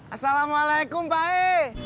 assalamualaikum pak e